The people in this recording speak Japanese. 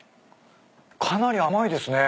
かなり甘いですね。